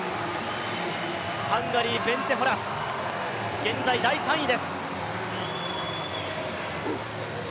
ハンガリー、ベンツェ・ホラス、現在第３位です。